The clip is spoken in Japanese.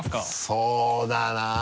そうだなぁ。